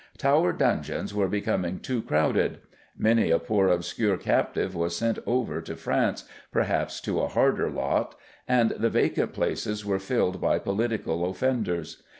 Tower dungeons were becoming too crowded. Many a poor obscure captive was sent over to France, perhaps to a harder lot, and the vacant places were filled by political offenders.